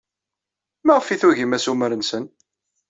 Maɣef ay tugim assumer-nsen?